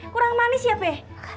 kurang manis ya be